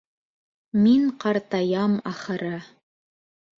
Мин ҡартайам, ахыры.